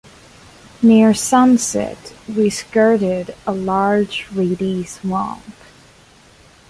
Near sunset we skirted a large reedy swamp.